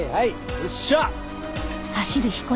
よっしゃ！